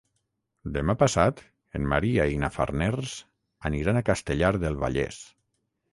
Demà passat en Maria i na Farners aniran a Castellar del Vallès.